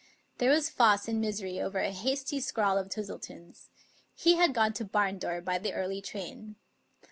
There was Foss in misery over a hasty scrawl of Twistle ton's. He had gone to Barndore by the early train.